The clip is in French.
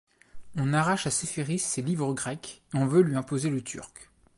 On arrache à Séféris ses livres grecs et on veut lui imposer le turc.